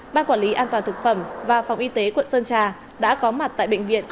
ban quản lý an toàn thực phẩm và phòng y tế quận sơn trà đã có mặt tại bệnh viện